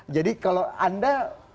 jadi kalau anda